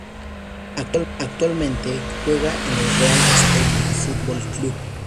Actualmente juega en el Real Estelí Futbol Club.